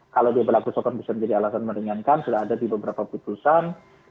kalau dia berlaku sopan bisa menjadi alasan meringankan sudah ada di beberapa putusan